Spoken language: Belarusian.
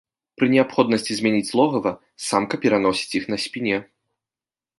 Пры неабходнасці змяніць логава, самка пераносіць іх на спіне.